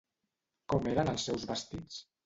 Com eren els seus vestits?